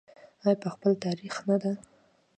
آیا په خپل تاریخ نه ده؟